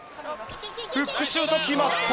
フックシュート決まった！